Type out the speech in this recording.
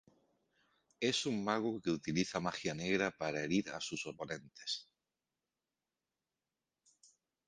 Es un mago que utiliza magia negra para herir a sus oponentes.